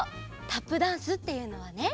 タップダンスっていうのはね